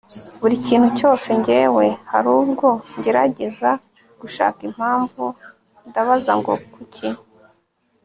buri kintu cyose njyewe hari ubwo ngerageza gushaka impamvu, ndabaza ngo kuki